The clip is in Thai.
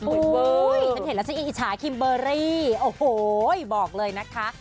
ฉันเห็นแล้วฉันอิงอิจฉาคิมเบอรี่โอ้โหบอกเลยนะคะ